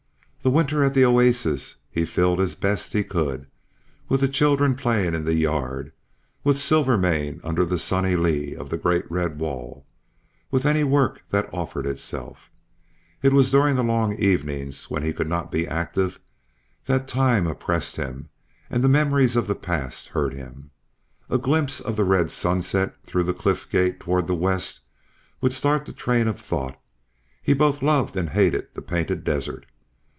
The winter at the oasis he filled as best he could, with the children playing in the yard, with Silvermane under the sunny lee of the great red wall, with any work that offered itself. It was during the long evenings, when he could not be active, that time oppressed him, and the memories of the past hurt him. A glimpse of the red sunset through the cliff gate toward the west would start the train of thought; he both loved and hated the Painted Desert.